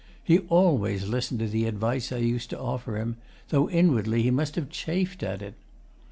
He always listened to the advice I used to offer him, though inwardly he must have chafed at it.